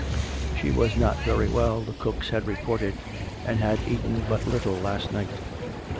(She was not very well, the cooks had reported, and had eaten but little last night.)